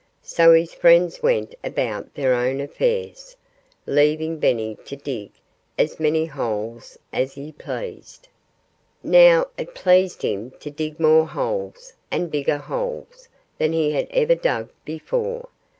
So his friends went about their own affairs, leaving Benny to dig as many holes as he pleased. Now, it pleased him to dig more holes, and bigger holes, than he had ever dug before.